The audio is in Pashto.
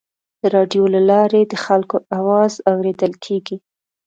د راډیو له لارې د خلکو اواز اورېدل کېږي.